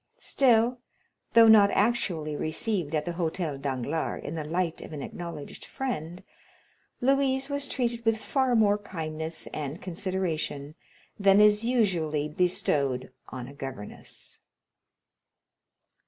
Still, though not actually received at the Hôtel Danglars in the light of an acknowledged friend, Louise was treated with far more kindness and consideration than is usually bestowed on a governess.